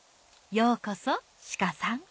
ようこそしかさん。